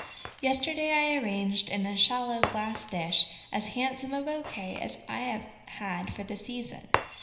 Yesterday I arranged in a shallow glass dish as handsome a bouquet as I have had for the season.